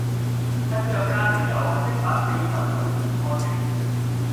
趁著假期悠閒的把四十九天看完